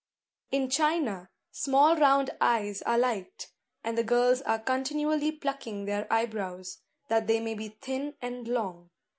In China, small round eyes are liked; and the girls are continually plucking their eye brows, that they may be thin and long.